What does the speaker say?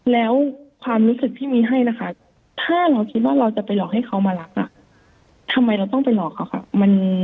แล้วความรู้สึกที่มีให้นะคะถ้าเราคิดว่าเราจะไปหลอกให้เขามารักทำไมเราต้องไปหลอกเขาค่ะ